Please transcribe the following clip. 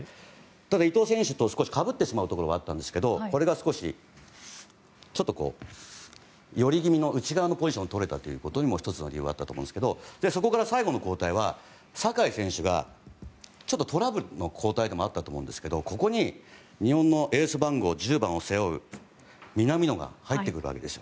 ただ伊東選手と被ってしまうところがあったんですけどこれが少しちょっと、寄り気味の内側のポジションを取れたということにも１つの理由があったと思うんですけどそこから最後の交代は酒井選手がトラブルでの交代でもあったと思うんですがここに日本のエース番号１０番を背負う南野が入ってくるわけです。